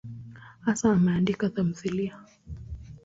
Hasa ameandika tamthiliya.